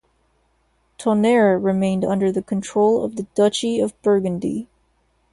Tonnerre remained under the control of the Duchy of Burgundy.